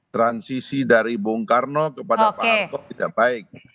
transisi dari bung karno kepada pak harto tidak baik